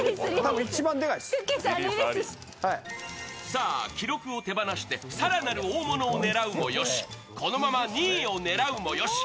さぁ、記録を手放して更なる大物を狙うもよし、このまま２位を狙うもよし。